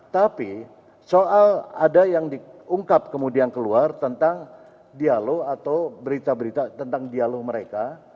tapi soal ada yang diungkap kemudian keluar tentang dialog atau berita berita tentang dialog mereka